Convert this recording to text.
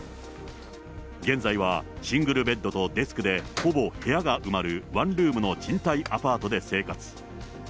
現在はシングルベッドとデスクでほぼ部屋が埋まるワンルームの賃貸アパートで生活。